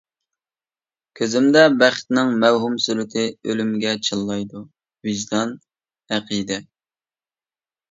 كۆزۈمدە بەختنىڭ مەۋھۇم سۈرىتى، ئۆلۈمگە چىللايدۇ ۋىجدان، ئەقىدە.